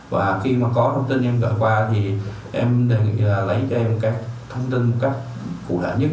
và khi mà có thông tin em gọi qua thì em lấy cho em các thông tin cụ thể nhất